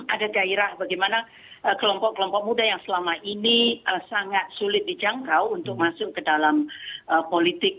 ada gairah bagaimana kelompok kelompok muda yang selama ini sangat sulit dijangkau untuk masuk ke dalam politik